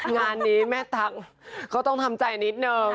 งานนี้แม่ตั๊งก็ต้องทำใจนิดนึง